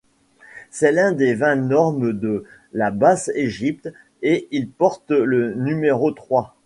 C'est l'un des vingt nomes de la Basse-Égypte et il porte le numéro trois.